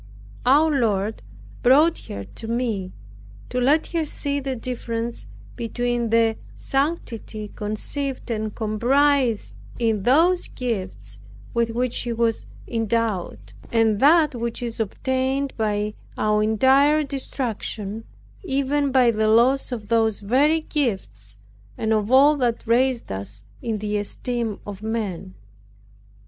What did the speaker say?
Our Lord brought her to me, to let her see the difference between the sanctity conceived and comprised in those gifts, with which she was endowed, and that which is obtained by our entire destruction, even by the loss of those very gifts, and of all that raised us in the esteem of men.